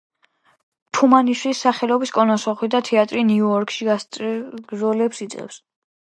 თუმანიშვილის სახელობის კონომსახიობთა თეატრი ნიუ-იორკში გასტროლებს იწყებს.